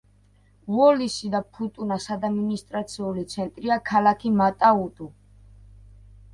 უოლისი და ფუტუნას ადმინისტრაციული ცენტრია ქალაქი მატა-უტუ.